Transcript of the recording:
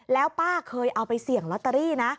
แล้วป้าเคยเอาไปเสี่ยงลอตเตอรี่นะ